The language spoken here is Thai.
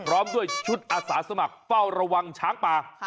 พร้อมด้วยชุดอาสาสมัครเฝ้าระวังช้างป่า